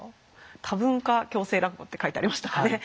多文化共生落語って書いてありましたかね？